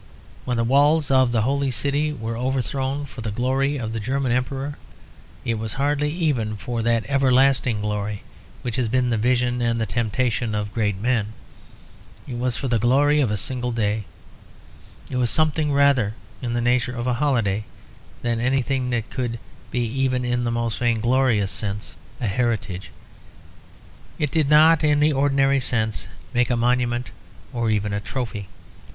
When the walls of the Holy City were overthrown for the glory of the German Emperor, it was hardly even for that everlasting glory which has been the vision and the temptation of great men. It was for the glory of a single day. It was something rather in the nature of a holiday than anything that could be even in the most vainglorious sense a heritage. It did not in the ordinary sense make a monument, or even a trophy.